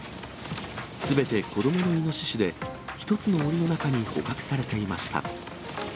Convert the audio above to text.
すべて子どものイノシシで、１つのおりの中に捕獲されていました。